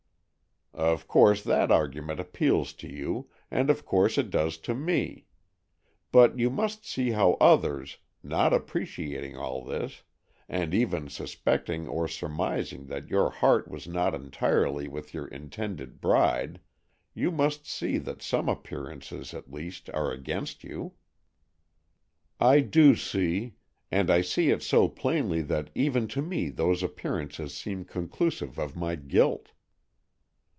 "Of course that argument appeals to you, and of course it does to me. But you must see how others, not appreciating all this, and even suspecting or surmising that your heart was not entirely with your intended bride—you must see that some appearances, at least, are against you." "I do see; and I see it so plainly that even to me those appearances seem conclusive of my guilt."